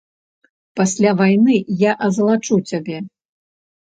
Пасля вайны я азалачу цябе.